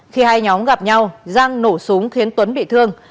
khi hai nhóm gặp nhau giang nổ súng khiến tuấn bị thương